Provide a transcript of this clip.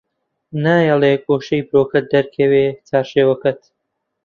نایەڵێ گۆشەی برۆکەت دەرکەوێ چارشێوەکەت